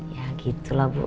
ya gitu lah bu